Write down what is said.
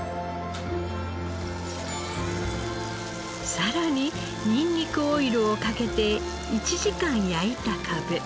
さらにニンニクオイルをかけて１時間焼いたかぶ。